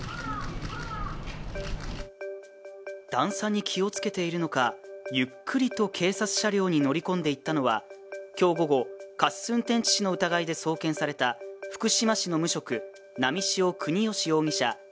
段差に気をつけているのか、ゆっくりと警察車両に乗り込んでいったのは今日午後、過失運転致死の疑いで送検された福島市の無職波汐國芳容疑者